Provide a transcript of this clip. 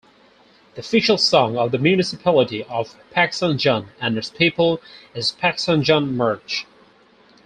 The official song of the Municipality of Pagsanjan and its people is "Pagsanjan March".